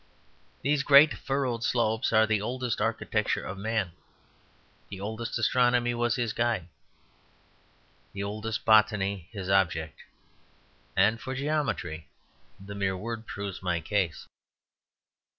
These great furrowed slopes are the oldest architecture of man: the oldest astronomy was his guide, the oldest botany his object. And for geometry, the mere word proves my case.